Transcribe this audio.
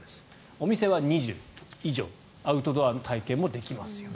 お店は２０以上アウトドアの体験もできます。